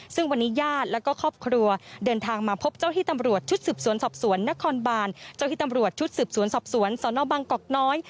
ซึ่งวันนี้ญาติและก็ครอบครัวเดินทางมาพบเจ้าที่ตำรวจชุดสืบสวนสอบสวนนครบานเจ้าที่ตำรวจชุดสืบสวนสอบสวนสนบังกอกน้อย